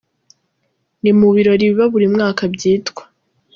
Ni mu ibirori biba buri mwaka byitwa.